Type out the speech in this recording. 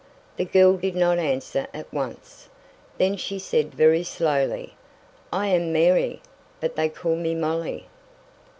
The girl did not answer at once. Then she said very slowly: "I am Mary, but they call me Molly."